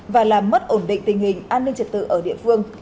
và làm mất ổn định tình hình an ninh trật tự ở địa phương